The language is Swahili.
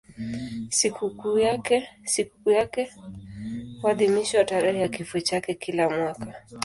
Sikukuu yake huadhimishwa tarehe ya kifo chake kila mwaka.